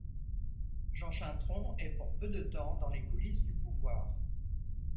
Jean Chaintron est, pour peu de temps, dans les coulisses du pouvoir.